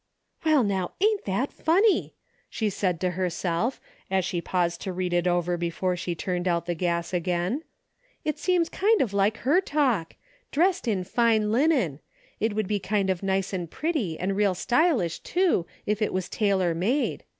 '' "Well now, ain't that funny!" she said to herself, as she paused to read it over before she turned out the gas again. " That seems kind of like her talk. Dressed in fine linen ! It would be kind of nice and pretty, and real stylish, too, if it was tailor made.